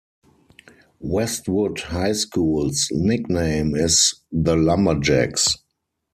Westwood High School's nickname is the Lumberjacks.